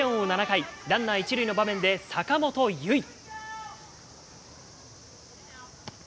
７回、ランナー１塁の場面で、坂本結愛。